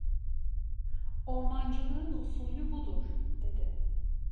Ormancılığın usulü budur, dedi.